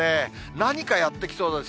何かやって来そうです。